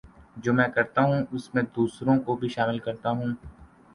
جو میں کرتا ہوں اس میں دوسروں کو بھی شامل کرتا ہوں